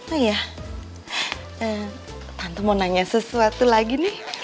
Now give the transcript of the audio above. oh iya tante mau nanya sesuatu lagi nih